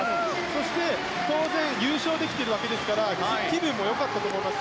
そして、当然優勝できているわけですから気分もよかったと思います。